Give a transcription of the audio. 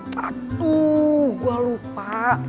patuh gue lupa